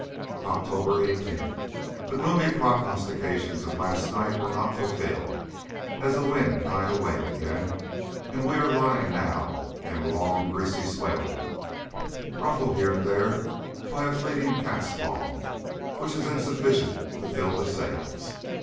October 18. The gloomy prognostications of last night were not fulfilled, as the wind died away again, and we are lying now in a long greasy swell, ruffled here and there by a fleeting catspaw which is insufficient to fill the sails.